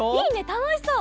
たのしそう。